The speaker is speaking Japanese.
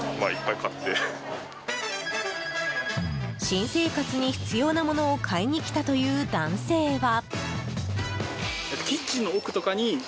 新生活に必要なものを買いに来たという男性は。